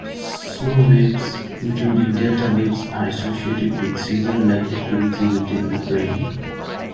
Slow waves, including delta waves, are associated with seizure-like activity within the brain.